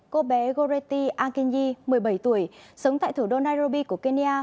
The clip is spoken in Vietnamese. cô bé goretti akinye một mươi bảy tuổi sống tại thủ đô nairobi của kenya